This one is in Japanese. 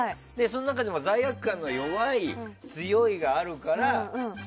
その中でも罪悪感の弱い強いがあるから。